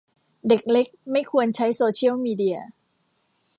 เด็กเล็กไม่ควรใช้โซเชียลมีเดีย